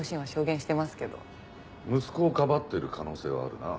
息子をかばってる可能性はあるな。